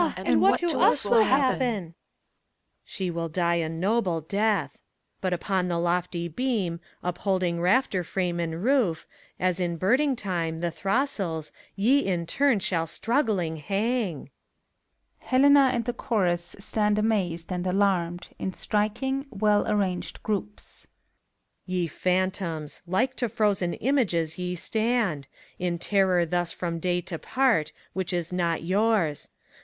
and what to us will happen T PHORKYAS. She will die a noble death ; But upon the lofty beam, upholding rafter frame and roof, As in birding time the throstles, ye in turn shall strug gling hang !( Helena and the Chorus stand amazed and alarmed, in striking, well arranged groups,) PHORKYAS. Ye Phantoms !— ^like to frozen images ye stand, In terror thus from Day to part, which is not yours.